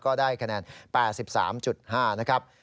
ก็ได้คะแนน๘๓๕นะครับ